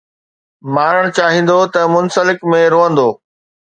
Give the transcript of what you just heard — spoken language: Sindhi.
مارڻ چاهيندو ته منسلڪ ۾ روئندو